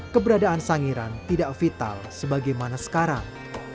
keberadaan sangiran tidak vital sebagaimana sekarang